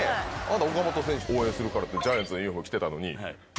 あなた岡本選手応援するからってジャイアンツのユニホームを着てたのに。